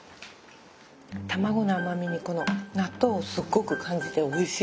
卵の甘みにこの納豆をすっごく感じておいしい。